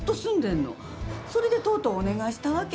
それでとうとうお願いしたわけ。